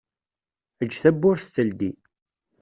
Eǧǧ tawwurt teldi.